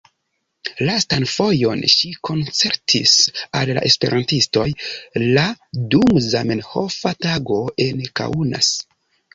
Lastan fojon ŝi koncertis al la esperantistoj la dum Zamenhofa Tago en Kaunas.